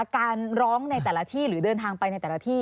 การร้องในแต่ละที่หรือเดินทางไปในแต่ละที่